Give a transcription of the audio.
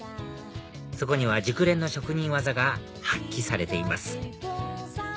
そこには熟練の職人技が発揮されています